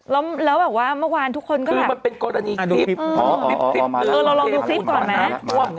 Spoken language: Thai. แล้วแบบว่าเมื่อวานทุกคนก็แบบ